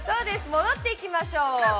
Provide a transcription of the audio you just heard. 戻っていきましょう。